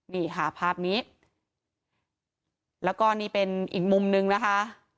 นี่ค่ะภาพนี้แล้วก็นี่เป็นอีกมุมนึงนะคะ